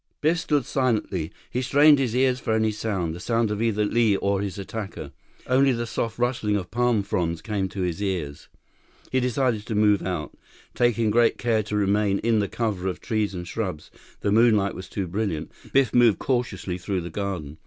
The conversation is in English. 44 Biff stood silently. He strained his ears for any sound, the sound of either Li or his attacker. Only the soft rustling of palm fronds came to his ears. He decided to move out. Taking great care to remain in the cover of trees and shrubs—the moonlight was brilliant—Biff moved cautiously through the garden.